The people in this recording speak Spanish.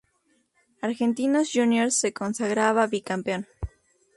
Argentinos Juniors se consagraba bicampeón.